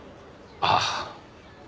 ああ。